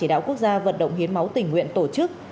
máu tỉnh nguyện tổ chức